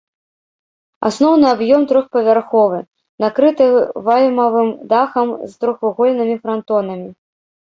Асноўны аб'ём трохпавярховы, накрыты вальмавым дахам з трохвугольнымі франтонамі.